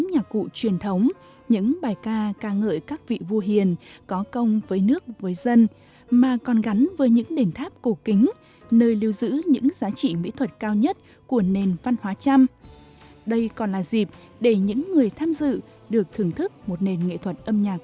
nhạc cụ truyền thống của người chăm rất phong phú đa dạng nhưng nổi bật hơn cả phải kế đến bộ ba nhạc cụ gồm chống ghi năng